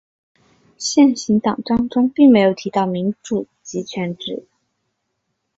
现行党章中并没有提到民主集权制。